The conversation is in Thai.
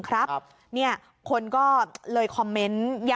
คนก็เลยคอมเมนต์